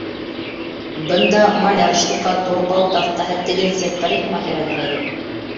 Бында маляр, штукатур, балта оҫтаһы, тегенсе, парикмахер әҙерләйҙәр